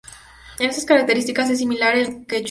En estas características, es similar al quechua.